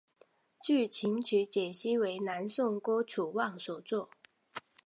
据琴曲解析为南宋郭楚望所作。